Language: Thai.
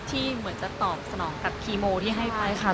เหมือนจะตอบสนองกับคีโมที่ให้ไปค่ะ